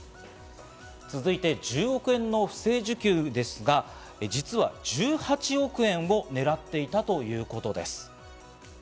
続いて、１０億円の不正受給ですが、実は１８億円を狙っていたということです。